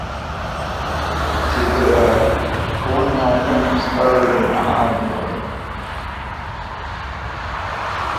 Cornell finished third in the Ivy League.